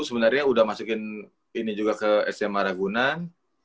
sebenarnya udah masukin ini juga ke sma ragunan